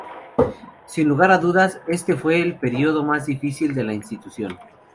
Sin lugar a dudas, este fue el período más difícil del la institución.